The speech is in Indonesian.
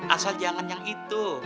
asal jangan yang itu